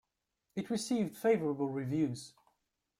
It received favorable reviews.